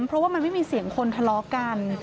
เพราะว่ามันไม่มีเสียงคนทะเลาะกัน